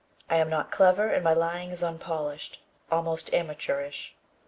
I am not clever and my lying is unpolished, almost amateurish.